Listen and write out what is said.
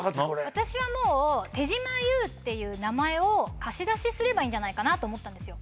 私はもう手島優っていう名前を貸し出しすればいいんじゃないかなと思ったんですよ